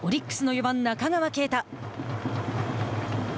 オリックスの４番、中川圭太。